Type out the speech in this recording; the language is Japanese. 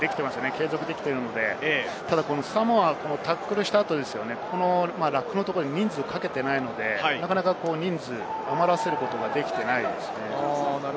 継続できているので、ただサモア、タックルした後、ラックのところで人数をかけていないので、人数を余らせることができていない。